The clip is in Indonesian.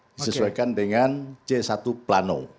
disesuaikan dengan c satu plano